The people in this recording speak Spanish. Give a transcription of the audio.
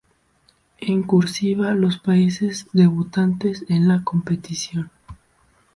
En "cursiva" los países debutantes en la competición.